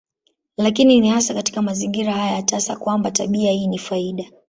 Lakini ni hasa katika mazingira haya tasa kwamba tabia hii ni faida.